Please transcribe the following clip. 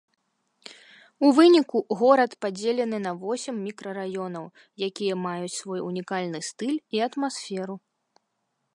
У выніку горад падзелены на восем мікрараёнаў, якія маюць свой унікальны стыль і атмасферу.